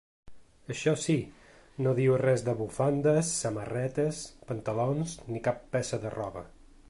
Això sí, no diu res de bufandes, samarretes, pantalons ni cap peça de roba.